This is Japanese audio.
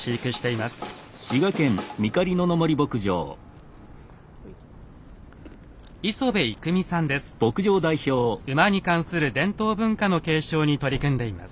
馬に関する伝統文化の継承に取り組んでいます。